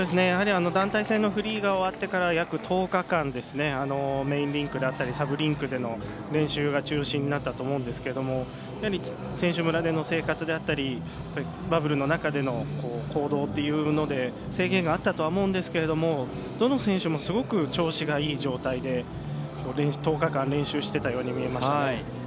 やはり団体戦のフリーが終わってから約１０日間メインリンク、サブリンクでの練習が中心だったと思うんですが選手村での生活であったりバブルの中での行動というので制限があったとは思うんですけどどの選手もすごく調子がいい状態で１０日間、練習していたように見えましたね。